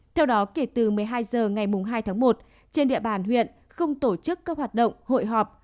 theo đó kể từ một mươi hai h ngày hai tháng một trên địa bàn huyện không tổ chức các hoạt động hội họp